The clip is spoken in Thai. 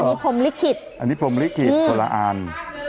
อันนี้พรมลิขิตอันนี้พรมลิขิตคนละอัน